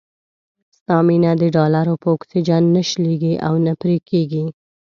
ستا مينه د ډالرو په اکسيجن نه شلېږي او نه پرې کېږي.